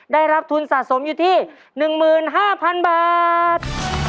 ได้รับทุนสะสมอยู่ที่๑๕๐๐๐บาท